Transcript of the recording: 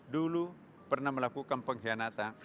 dulu pernah melakukan pengkhianatan